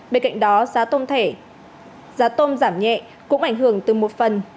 bên cạnh đó giá tôm giảm nhẹ cũng ảnh hưởng từ một phần